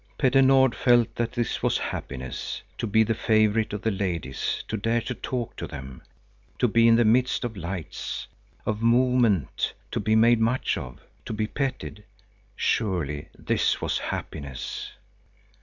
Petter Nord felt that this was happiness. To be the favorite of the ladies, to dare to talk to them, to be in the midst of lights, of movement, to be made much of, to be petted, surely this was happiness.